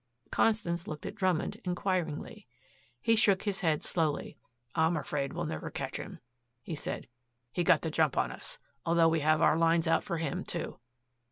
Constance looked at Drummond inquiringly. He shook his head slowly. "I'm afraid we'll never catch him," he said. "He got the jump on us although we have our lines out for him, too."